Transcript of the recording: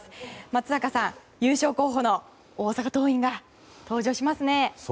松坂さん、優勝候補の大阪桐蔭が登場しますね。